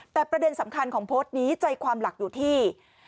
แต่ประเด็นสำคัญของโพสต์นี้ใจความหลักอยู่ที่